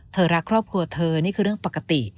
รักครอบครัวเธอนี่คือเรื่องปกติ